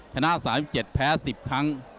ชนะ๓๗แพ้๑๐ครั้ง